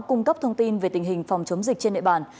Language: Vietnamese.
cung cấp thông tin về tình hình phòng chống dịch trên nệ bàn